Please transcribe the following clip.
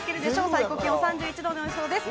最高気温は３１度の予想です。